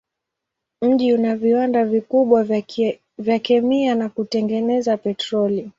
Mji una viwanda vikubwa vya kemia na kutengeneza petroli.